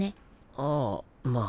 ああまあ。